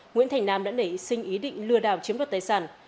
nguyễn thành nam đã nảy sinh ý định lừa đảo chiếm đoạt tài sản